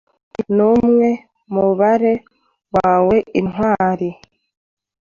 Kurenza numwe mubare waweintwari